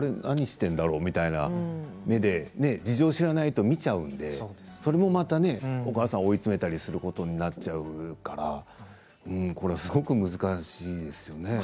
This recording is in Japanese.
何しているんだろうみたいな目で事情を知らないと見ちゃうんでそれもまたお母さんを追い詰めたりすることになっちゃうからこれはすごく難しいですよね。